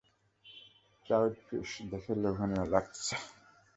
Trout fish, দেখেই লোভনীয় লাগছে!